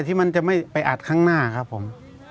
ที่มันจะไม่ไปอัดข้างหน้าครับผม